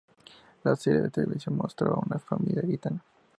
La serie de televisión mostraba a una familia gitana.